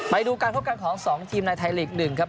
ไปดูการพบกันของ๒ทีมในไทยลีก๑ครับ